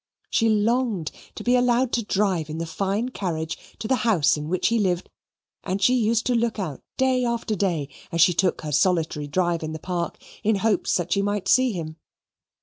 She longed to be allowed to drive in the fine carriage to the house in which he lived, and she used to look out day after day as she took her solitary drive in the park, in hopes that she might see him.